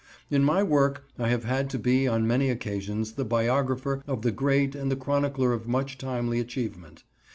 In my work I have had to be, on many occasions, the biographer of the great and the chronicler of much timely achievement.